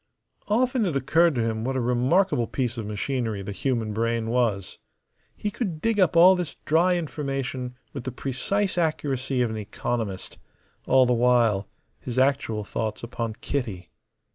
Often it occurred to him what a remarkable piece of machinery the human brain was. He could dig up all this dry information with the precise accuracy of an economist, all the while his actual thoughts upon Kitty.